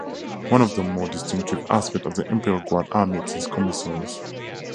One of the more distinctive aspects of the Imperial Guard army is its Commissars.